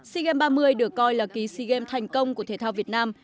sea games ba mươi được coi là kỳ sea games thành công của thể thao việt nam